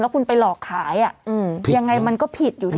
คุณไปหลอกขายยังไงมันก็ผิดอยู่นะ